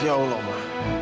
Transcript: ya allah ma